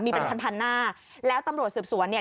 มีเป็นพันพันหน้าแล้วตำรวจสืบสวนเนี่ย